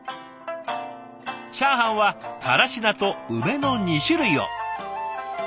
チャーハンはからし菜と梅の２種類を。